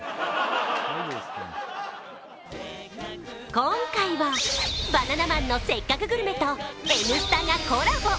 今回は「バナナマンのせっかくグルメ！！」と「Ｎスタ」がコラボ。